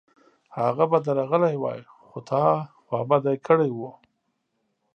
هغه به درغلی وای، خو تا خوابدی کړی و